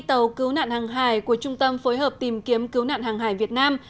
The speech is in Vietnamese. tàu cứu nạn hàng hải của trung tâm phối hợp tìm kiếm cứu nạn hàng hải việt nam